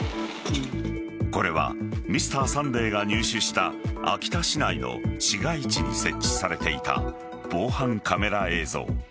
これは「Ｍｒ．サンデー」が入手した秋田市内の市街地に設置されていた防犯カメラ映像。